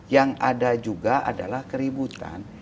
yang ada juga adalah keributan